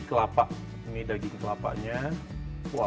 kelapa ini daging kelapanya